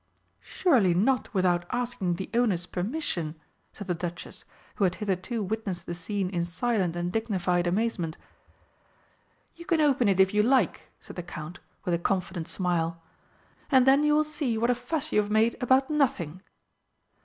"Surely not without asking the owner's permission?" said the Duchess, who had hitherto witnessed the scene in silent and dignified amazement. "You can open it if you like!" said the Count, with a confident smile. "And then you will see what a fuss you have made about nothing."